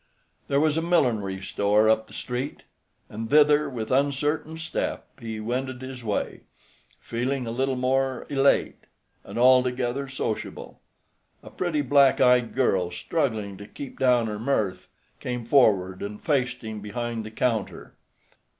There was a millinery store up the street, and thither with uncertain step he wended his way, feeling a little more elate, and altogether sociable. A pretty, black eyed girl, struggling to keep down her mirth, came forward and faced him behind the counter.